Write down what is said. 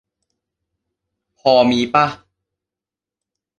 พอมีป่ะ ?